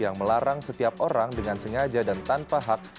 yang melarang setiap orang dengan sengaja dan tanpa hak